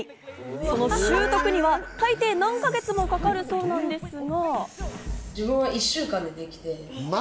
その習得には大抵何か月もかかるそうなんですが。